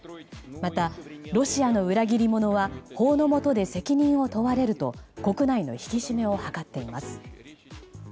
また、ロシアの裏切り者は法の下で責任を問われると国内の引き締めを図っています。